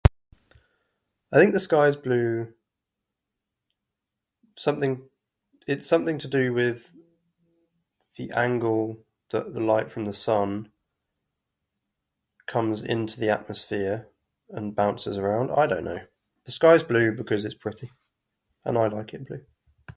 I think the sky's blue... something... it's something to do with the angle that the light from the sun comes into the atmosphere and bounces around. I don't know. The sky's blue because it's pretty, and I like it in blue.